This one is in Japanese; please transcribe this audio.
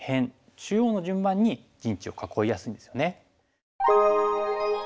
中央の順番に陣地を囲いやすいんですよね。